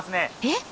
えっ？